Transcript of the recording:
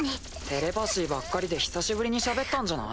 テレパシーばっかりで久しぶりにしゃべったんじゃない？